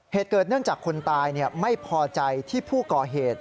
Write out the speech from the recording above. เหตุเกิดเนื่องจากคนตายไม่พอใจที่ผู้ก่อเหตุ